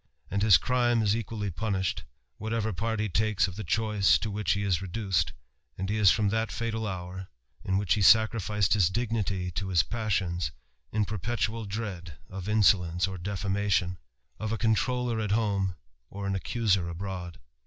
And hli crime is equally punished, whatever part be takes of t choice to which he is reduced ; and he is from that btd hour, in which he sacrificed his dignity to his passions, u perpetual dread of insolence or defamation ; of a contr<^a at home, or an accuser abroad.